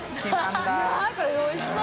これおいしそう！